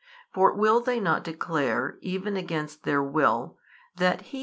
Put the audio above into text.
For will they not declare, even against their will, that he